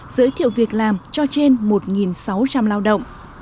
giới thiệu việc làm cho trên một sáu trăm linh lao động